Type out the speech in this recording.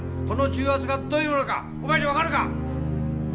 この重圧がどういうものかお前に分かるか！